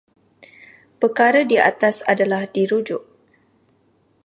Perkara di atas adalah dirujuk.